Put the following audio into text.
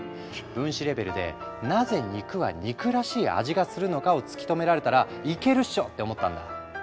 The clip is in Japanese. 分子レベルでなぜ肉は肉らしい味がするのかを突き止められたらいけるっしょ！って思ったんだ。